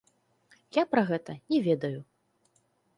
Я пра гэта не ведаю.